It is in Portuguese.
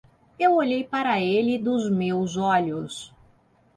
Eu olhei para ele dos meus olhos.